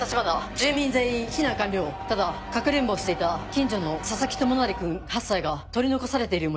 住民全員避難完了ただかくれんぼをしていた近所の佐々木智成君８歳が取り残されているもよう。